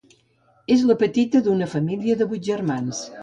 És la petita d'una família de vuit germans.